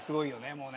もうね。